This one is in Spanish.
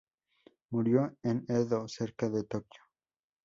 Murió en Edo, cerca de Tokio.